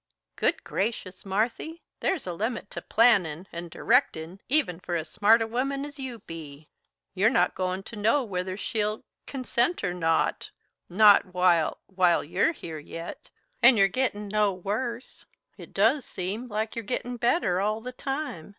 "Good gracious, Marthy! There's a limit to plannin' and directin' even for as smart a woman as you be. You're not goin' to know whether she'll consent or not, not while while you're here, yet. And you're gittin' no worse; it does seem like you're gittin' better all the time.